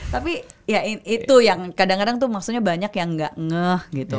tapi ya itu yang kadang kadang tuh maksudnya banyak yang gak ngeh gitu